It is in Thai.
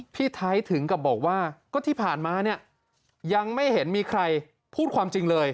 พี่ไทยถึงกับบอกว่าก็ที่ผ่านมาเนี่ยยังไม่เห็นมีใครพูดความจริงเลย